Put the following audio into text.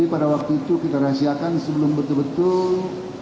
pada waktu itu kita rahasiakan sebelum betul betul